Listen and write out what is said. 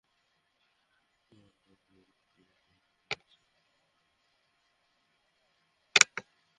পাইপলাইনে থাকা বিদেশি সহায়তার পরিমাণ কমানোর কৌশল নির্ধারণ করতে কমিটি গঠন করা হয়েছে।